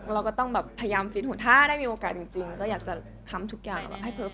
เราก็ต้องแบบพยายามฟิตหุ่นถ้าได้มีโอกาสจริงก็อยากจะทำทุกอย่างให้เพิร์